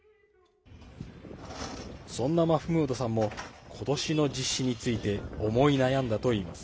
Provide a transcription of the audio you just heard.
そんなマフムードさんも今年の実施について思い悩んだといいます。